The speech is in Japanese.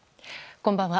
こんばんは。